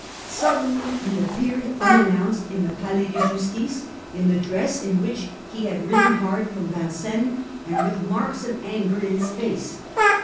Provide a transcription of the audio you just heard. Suddenly he appeared the royal ° unannounced in the Palais de Justice, in the authority, dress in which he had ridden hard from Vin cennes, and with marks of anger in his face.